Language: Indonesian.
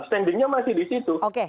standingnya masih di situ